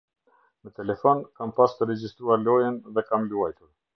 Në telefon kam pas të regjistruar lojë dhe kam luajtur.